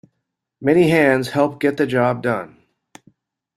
Many hands help get the job done.